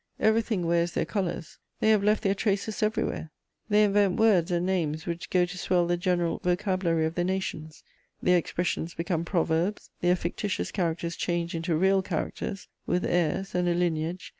Everything wears their colours; they have left their traces everywhere; they invent words and names which go to swell the general vocabulary of the nations; their expressions become proverbs, their fictitious characters change into real characters, with heirs and a lineage.